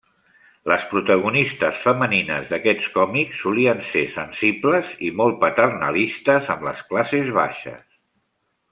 Les protagonistes femenines d'aquests còmics, solien ser sensibles i molt paternalistes amb les classes baixes.